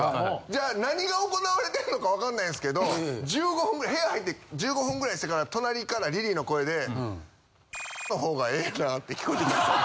じゃあ何が行われてるのかわかんないんですけど１５分部屋入って１５分ぐらいしてから隣からリリーの声で○※☆。の方がええなぁって聞こえてきたんですよ。